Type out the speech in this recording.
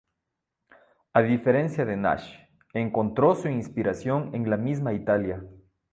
A diferencia de Nash, encontró su inspiración en la misma Italia.